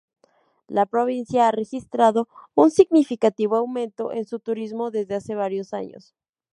La provincia ha registrado un significativo aumento en su turismo desde hace varios años.